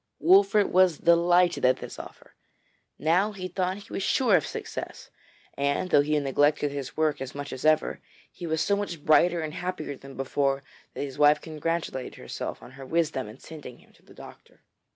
Wolfert was delighted at this offer. Now, he thought, he was sure of success, and though he neglected his work as much as ever, he was so much brighter and happier than before that his wife congratulated herself on her wisdom in sending him to the doctor.